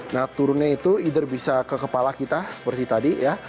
nah turunnya itu either bisa ke kepala kita seperti tadi ya